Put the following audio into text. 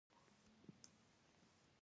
هغې د زړه له کومې د ځنګل ستاینه هم وکړه.